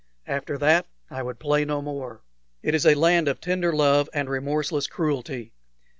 After that I would play no more. It is a land of tender love and remorseless cruelty.